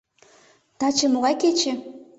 Таче могай кече?